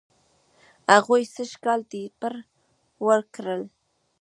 هغوی سږ کال ټیپر و کرل.